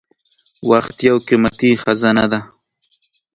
• وخت یو قیمتي خزانه ده.